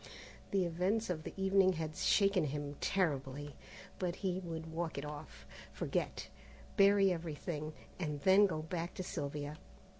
The events of the evening had shaken him terribly, but he would walk it off, forget, bury everything, and then go back to Sylvia.